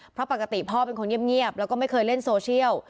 เพราะปกติพ่อเป็นคนเงียบแล้วก็ไม่เคยเล่นโซเชียล